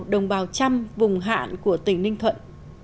đồng bào trăm vùng hạn của tỉnh ninh thuận